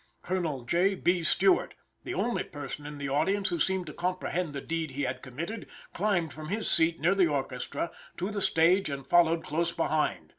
Colonel J. B. Stewart, the only person in the audience who seemed to comprehend the deed he had committed, climbed from his seat near the orchestra to the stage, and followed close behind.